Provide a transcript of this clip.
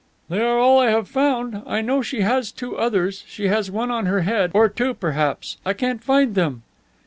"They are all I have found. I know she has two others. She has one on her head, or two, perhaps; I can't find them."